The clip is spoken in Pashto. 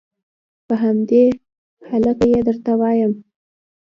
په همدې هلکه یې درته وایم.